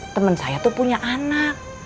temen saya tuh punya anak